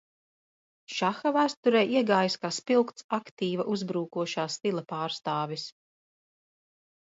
Šaha vēsturē iegājis kā spilgts aktīva uzbrūkošā stila pārstāvis.